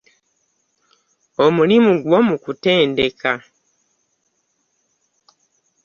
Omulimu gwo mu kutendeka.